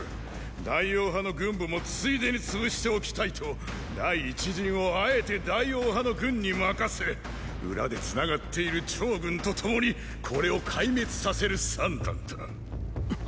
大王派の軍部もついでに潰しておきたいと第一陣をあえて大王派の軍に任せ裏でつながっている趙軍と共にこれを壊滅させる算段だ。！